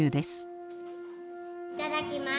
いただきます。